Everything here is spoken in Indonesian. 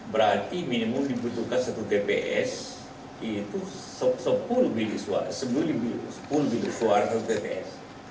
berarti minimum dibutuhkan satu tps itu sepuluh bilik suara ke tps